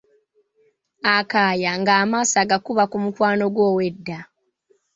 Akaya nga amaaso agakuba ku mukwano ggwe ow'edda.